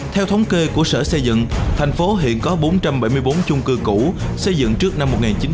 theo thống kê của sở xây dựng thành phố hiện có bốn trăm bảy mươi bốn chung cư cũ xây dựng trước năm một nghìn chín trăm bảy mươi